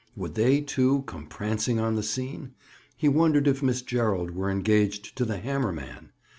Would they, too, come prancing on the scene? He wondered if Miss Gerald were engaged to the hammer man?